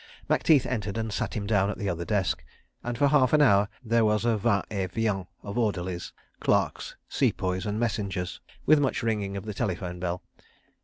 Macteith entered and sat him down at the other desk, and for half an hour there was a va et vient of orderlies, clerks, Sepoys and messengers, with much ringing of the telephone bell.